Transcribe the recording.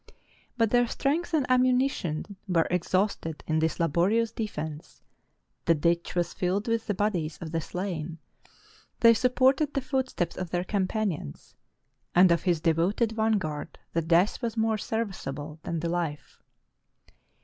But their strength and ammu nition were exhausted in this laborious defense : the ditch was filled with the bodies of the slain; they supported the footsteps of their companions; and of his devoted van guard the death was more serviceable than the life.